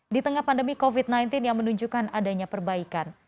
di tengah pandemi covid sembilan belas yang menunjukkan adanya perbaikan